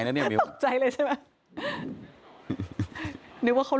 นไม่มีโกรธใจเลยใช่ไหม